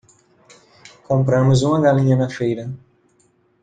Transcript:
Compramos uma galinha na feira